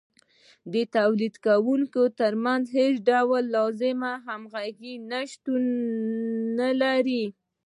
د تولیدونکو ترمنځ هېڅ ډول لازمه همغږي شتون نلري